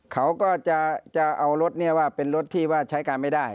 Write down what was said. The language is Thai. เขาก็จะเอารถเป็นรถที่ใช้การไม่ได้